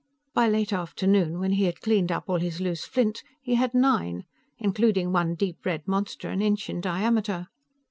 By late afternoon, when he had cleaned up all his loose flint, he had nine, including one deep red monster an inch in diameter.